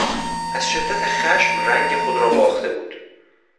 از شدت خشم رنگ خود را باخته بود.